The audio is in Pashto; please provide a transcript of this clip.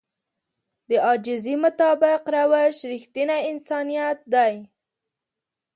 د عاجزي مطابق روش رښتينی انسانيت دی.